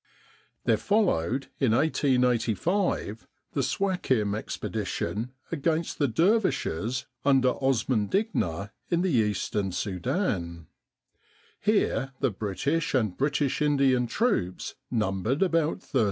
There followed, in 1885, the Suakin Expedition against the dervishes under Osman Digna in the Eastern Sudan. Here the British and British Indian troops numbered about 13,000.